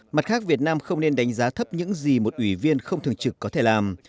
mặt khác việt nam không nên đánh giá thấp những gì một ủy viên không thường trực có thể làm